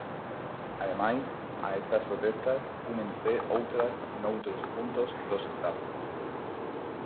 Ademais, a estas protestas únense outras noutros puntos dos Estado.